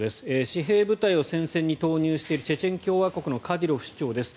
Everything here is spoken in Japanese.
私兵部隊を戦線に投入しているチェチェン共和国のカディロフ首長です。